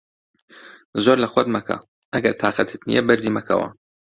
زۆر لە خۆت مەکە، ئەگەر تاقەتت نییە بەرزی مەکەوە.